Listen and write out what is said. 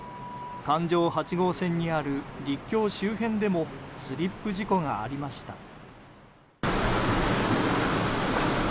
環状八号線にある陸橋周辺でもスリップ事故がありました。